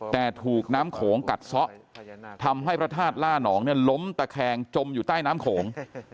แต่ถูกน้ำโขงกัดซะทำให้พระธาตุล่านองเนี่ยล้มตะแคงจมอยู่ใต้น้ำโขง